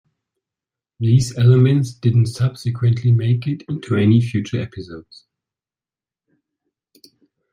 These elements didn't subsequently make it into any future episodes.